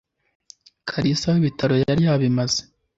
kalisa we ibitaro yariyabimaze